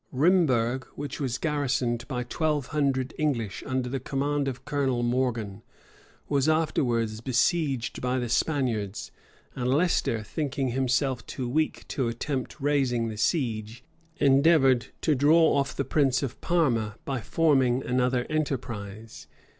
Rhimberg, which was garrisoned by twelve hundred English, under the command of Colonel Morgan, was afterwards besieged by the Spaniards; and Leicester, thinking himself too weak to attempt raising the siege, endeavored to draw off the prince of Parma by forming another enterprise.